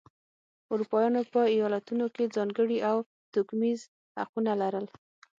اروپایانو په ایالتونو کې ځانګړي او توکمیز حقونه لرل.